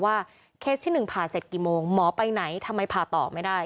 เคสที่๑ผ่าเสร็จกี่โมงหมอไปไหนทำไมผ่าต่อไม่ได้